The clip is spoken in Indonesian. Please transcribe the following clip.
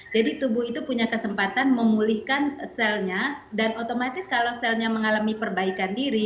jadi tubuh itu punya kesempatan memulihkan selnya dan otomatis kalau selnya mengalami perbaikan diri